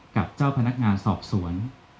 กับเจ้าพนักงานสอบสวน